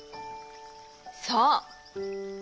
そう。